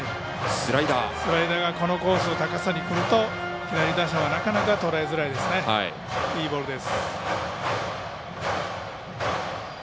スライダーがこのコースの高さにくると左打者はなかなかとらえにくいいいボールです。